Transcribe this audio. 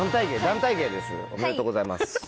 団体芸おめでとうございます。